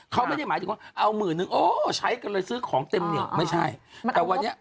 เขาไม่ได้หมายถึงว่าเอาหมื่นนึงโอ้ใช้กันเลยซื้อของเต็มเหนียวไม่ใช่แต่วันนี้